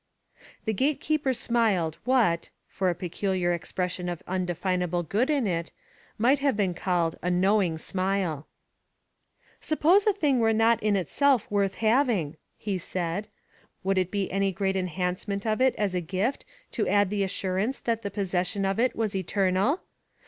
The gate keeper smiled what, but for a peculiar expression of undefinable good in it, might have been called a knowing smile. "Suppose a thing were in itself not worth having," he said, "would it be any great enhancement of it as a gift to add the assurance that the possession of it was eternal!